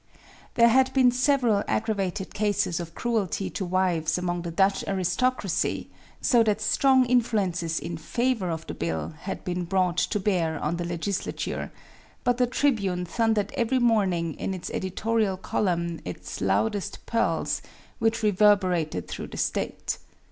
There had been several aggravated cases of cruelty to wives among the Dutch aristocracy, so that strong influences in favor of the bill had been brought to bear on the legislature, but the Tribune thundered every morning in its editorial column its loudest peals, which reverberated through the State.